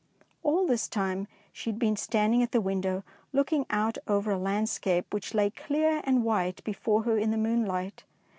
All this time she has been standing at the window, looking out over a land scape which lay clear and white before her in the moonlight.